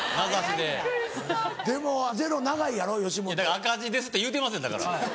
赤字ですって言うてますやんだから。